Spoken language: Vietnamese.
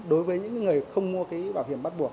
đối với những người không mua cái bảo hiểm bắt buộc